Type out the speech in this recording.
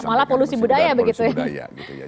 malah polusi budaya begitu ya